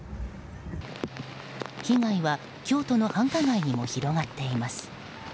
被害は京都の繁華街にも広がっています。